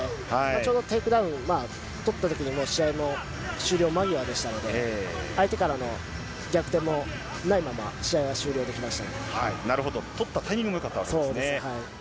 ちょうどテイクダウン取ったときに、もう試合も終了間際でしたので、相手からの逆転もないまま、なるほど、取ったタイミングそうです。